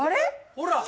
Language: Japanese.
ほら！